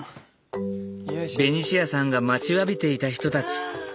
ベニシアさんが待ちわびていた人たち。